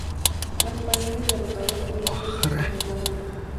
Los españoles, derrotados, huyen desordenadamente.